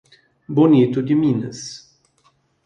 Bonito de Minas